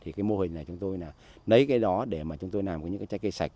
thì cái mô hình này chúng tôi là lấy cái đó để mà chúng tôi làm những cái trái cây sạch